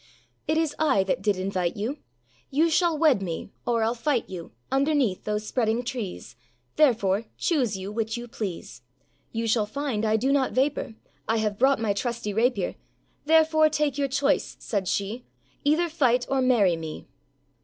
â âIt is I that did invite you, You shall wed me, or Iâll fight you, Underneath those spreading trees; Therefore, choose you which you please. âYou shall find I do not vapour, I have brought my trusty rapier; Therefore, take your choice,â said she, âEither fight or marry me.